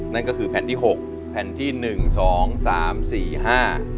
นั่นก็คือแผ่นที่หกแผ่นที่หนึ่งสองสามสี่ห้า